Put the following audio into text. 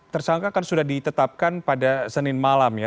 tersangka kan sudah ditetapkan pada senin malam ya